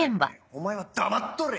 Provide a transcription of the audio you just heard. お前は黙っとれ！